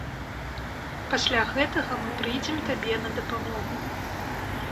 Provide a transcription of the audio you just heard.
Пасля гэтага мы прыйдзем табе на дапамогу.